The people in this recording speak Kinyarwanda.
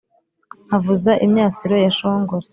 nkavuza imyasiro ya shongore